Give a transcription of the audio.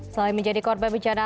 selain menjadi korban bencana